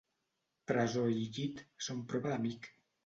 Presó i llit són prova d'amic.